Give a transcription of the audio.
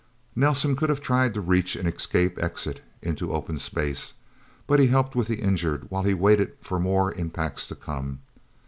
Nelsen could have tried to reach an escape exit into open space, but he helped with the injured while he waited for more impacts to come.